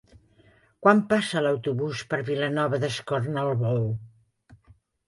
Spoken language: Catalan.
Quan passa l'autobús per Vilanova d'Escornalbou?